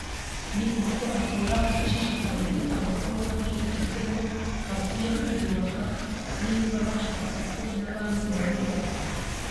ni uko ahora ashishikariza abakobwa b’inshuti ze ko bakwiye kwiyubaha niba bashaka ko n’abandi babubaha